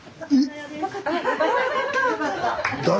・よかった。